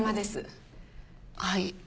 はい。